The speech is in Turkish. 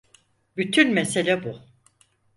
Bütün mesele bu.